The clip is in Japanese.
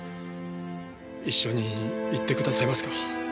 一緒に行ってくださいますか？